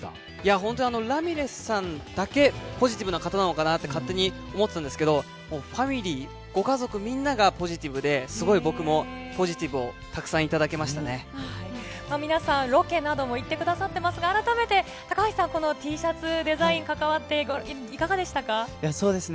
本当にラミレスさんだけポジティブな方なのかなって、勝手に思ってたんですけど、ファミリー、ご家族みんながポジティブで、すごい僕もポジティブをたくさん皆さん、ロケなども行ってくださってますが、改めて、高橋さん、このＴシャツデザイン関わって、いかがですか？